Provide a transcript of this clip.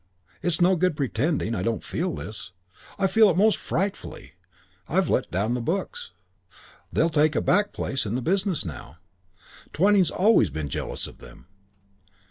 It's no good pretending I don't feel this. I feel it most frightfully.... I've let down the books. They'll take a back place in the business now. Twyning's always been jealous of them.